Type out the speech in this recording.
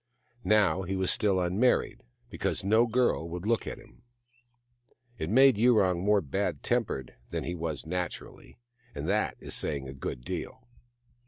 Now he was still unmarried, because no girl would look at him. It made Yurong more bad tempered than he was naturally, and that is saying a good deal.